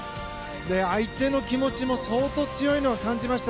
相手の気持ちも相当強いのを感じました。